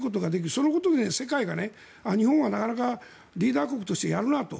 そのことで日本はなかなかリーダー国としてやるなと。